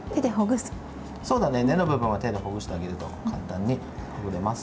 根の部分は手でほぐしてあげると簡単にできます。